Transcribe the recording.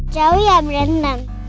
jauh ya berenang